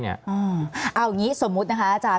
เอาอย่างนี้สมมุตินะคะอาจารย